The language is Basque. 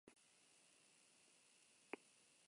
Bidean ez denean, ordea, gasolindegian da lanean.